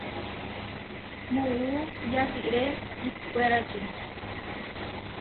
Muú yasiré ihkwérači.